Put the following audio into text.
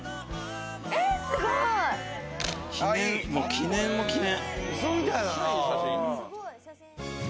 記念も記念。